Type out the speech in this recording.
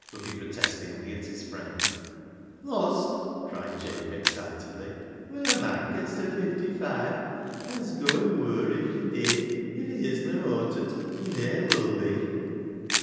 looking protestingly at his friend, " Lost? " cried Jabe excitedly ; "when a mon gets ta fifty five — an's gooin' wur ivery day — if he isna awtert he ne'er will be."